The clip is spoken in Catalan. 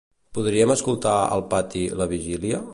Podríem escoltar al pati "La vigília"?